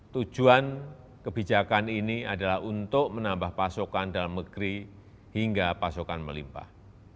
tujuan kebijakan ini adalah untuk menambah pasokan dalam negeri hingga pasokan melimpah